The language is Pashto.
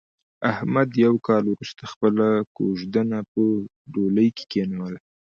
احمد یو کال ورسته خپله کوزدنه په ډولۍ کې کېنوله.